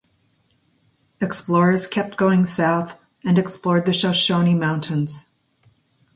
Explorers kept going south and explored the Shoshone Mountains.